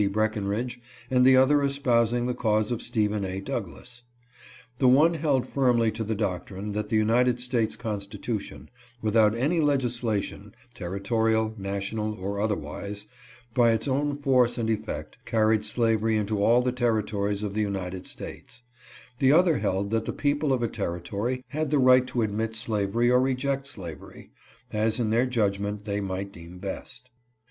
Breckenridge and the other espousing the cause of Stephen A. Douglas ; the one held firmly to the doctrine that the United States Constitution, without any legisla tion, territorial, national, or otherwise, by its own force and effect, carried slavery into all the territories of the 374 harper's ferry. United States ; the other held that the people of a terri tory had the right to admit slavery or reject slavery, as in their judgment they might deem best.